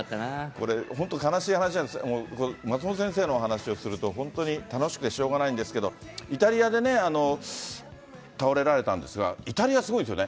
これ、本当、悲しい話なんですけど、松本先生のお話をすると、本当に楽しくてしょうがないんですけども、イタリアでね、倒れられたんですが、イタリアすごいんですよね。